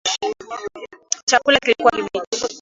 Chakula kilikuwa kibichi